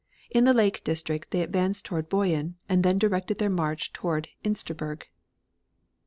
In the lake district they advanced toward Boyen, and then directed their march toward Insterburg.